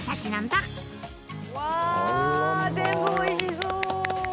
うわあ全部おいしそう！